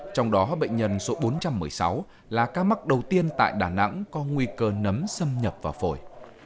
trong đó bệnh nhân số bốn trăm một mươi sáu là ca mắc đầu tiên tại đà nẵng có nguy cơ nấm xâm nhập vào phổi